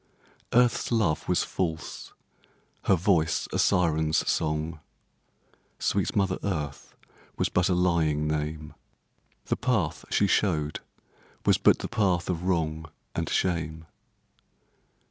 Earth's love was false; her voice, a siren's song; (Sweet mother earth was but a lying name) The path she showed was but the path of wrong And shame.